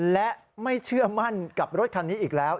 และไม่เชื่อมั่นกับรถคันนี้อีกแล้ว